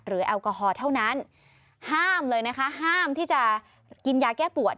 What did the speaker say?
แอลกอฮอลเท่านั้นห้ามเลยนะคะห้ามที่จะกินยาแก้ปวด